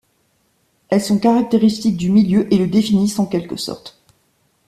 Elles sont caractéristiques du milieu, et le définissent en quelque sorte.